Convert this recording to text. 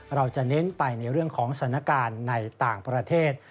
เราจะเน้นไปในเรื่องของสถานการณ์ในต่างประเทศ